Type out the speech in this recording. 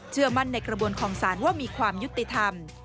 เชื่อมั่นในกระบวนของสารว่ามีความยุติธรรม